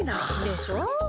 でしょ？